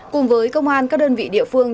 cùng với công an các đơn vị địa phương